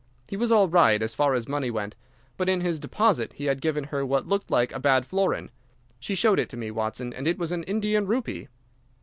He was all right, as far as money went, but in his deposit he had given her what looked like a bad florin. She showed it to me, Watson, and it was an Indian rupee.